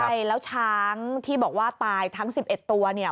ใช่แล้วช้างที่บอกว่าตายทั้ง๑๑ตัวเนี่ย